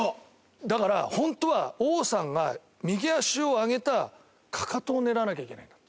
だからホントは王さんが右足を上げたかかとを狙わなきゃいけないんだって。